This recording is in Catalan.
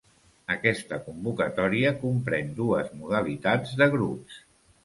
Aquesta convocatòria comprèn dues modalitats de grups.